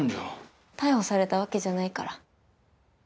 逮捕されたわけじゃないから。